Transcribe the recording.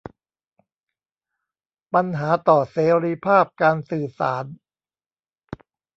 ปัญหาต่อเสรีภาพการสื่อสาร